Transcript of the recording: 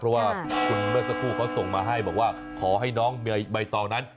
เพราะว่าคุณเมื่อสักครู่เขาส่งมาให้บอกว่าขอให้น้องใบตองนั้น